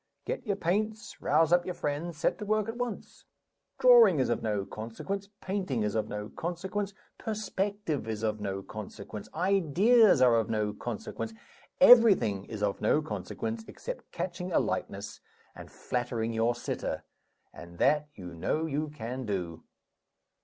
Get your paints, rouse up your friends, set to work at once. Drawing is of no consequence; painting is of no consequence; perspective is of no consequence; ideas are of no consequence. Everything is of no consequence, except catching a likeness and flattering your sitter and that you know you can do."